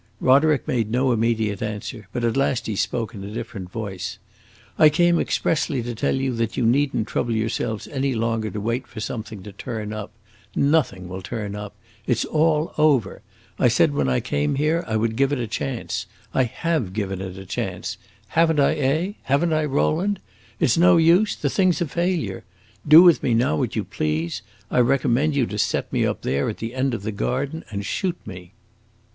Roderick made no immediate answer; but at last he spoke in a different voice. "I came expressly to tell you that you need n't trouble yourselves any longer to wait for something to turn up. Nothing will turn up! It 's all over! I said when I came here I would give it a chance. I have given it a chance. Have n't I, eh? Have n't I, Rowland? It 's no use; the thing 's a failure! Do with me now what you please. I recommend you to set me up there at the end of the garden and shoot me."